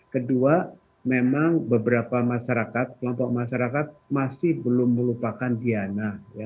kedua memang beberapa masyarakat kelompok masyarakat masih belum melupakan diana